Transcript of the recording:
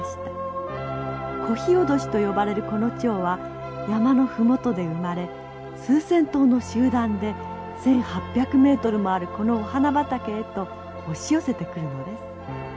コヒオドシと呼ばれるこのチョウは山の麓で生まれ数千頭の集団で１，８００メートルもあるこのお花畑へと押し寄せてくるのです。